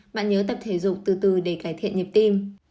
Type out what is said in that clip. bạn nhớ tập thể dục từ từ để cải thiện nhịp tim